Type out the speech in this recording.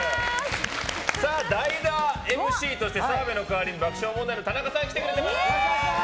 代打ＭＣとして澤部の代わりに爆笑問題の田中さんが来てくれました！